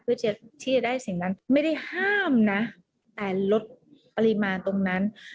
เพื่อที่จะได้สิ่งนั้นไม่ได้ห้ามนะแต่ลดปริมาณตรงนั้น